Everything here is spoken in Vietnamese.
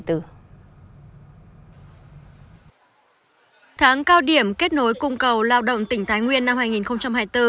tháng cao điểm kết nối cung cầu lao động tỉnh thái nguyên năm hai nghìn hai mươi bốn